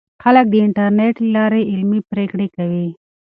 خلک د انټرنیټ له لارې علمي پریکړې کوي.